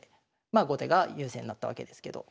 まあ後手が優勢になったわけですけど。